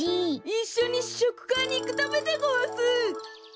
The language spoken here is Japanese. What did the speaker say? いっしょにししょくかいにいくためでごわす！